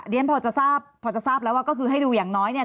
พอจะทราบพอจะทราบแล้วว่าก็คือให้ดูอย่างน้อยเนี่ย